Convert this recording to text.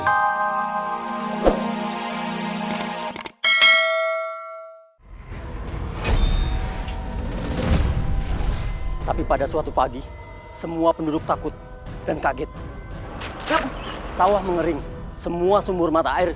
hai tapi pada suatu pagi semua penduduk takut dan kaget sawah mengering semua sumber mata air